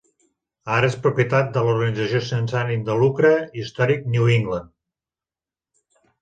Ara és propietat de l'organització sense ànim de lucre "Historic New England".